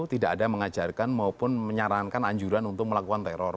tidak ada mengajarkan maupun menyarankan anjuran untuk melakukan teror